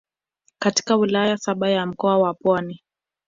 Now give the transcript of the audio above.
katika Wilaya saba za Mkoa wa Pwani